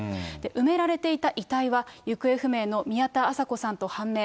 埋められていた遺体は、行方不明の宮田麻子さんと判明。